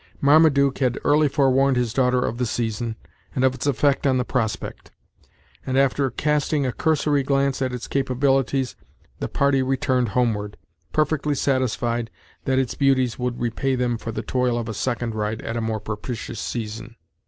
Marmaduke had early forewarned his daughter of the season, and of its effect on the prospect; and after casting a cursory glance at its capabilities, the party returned homeward, perfectly satisfied that its beauties would repay them for the toil of a second ride at a more propitious season.